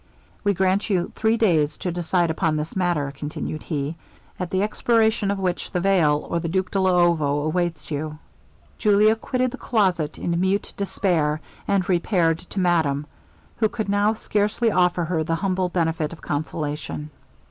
'We grant you three days to decide upon this matter,' continued he, 'at the expiration of which, the veil, or the Duke de Luovo, awaits you.' Julia quitted the closet in mute despair, and repaired to madame, who could now scarcely offer her the humble benefit of consolation.